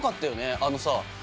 あのさ